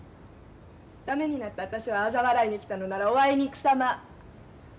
駄目になった私をあざ笑いに来たのならおあいにくさま。